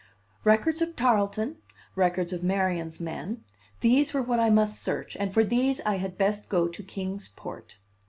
Records of Tarleton, records of Marion's men, these were what I must search, and for these I had best go to Kings Port.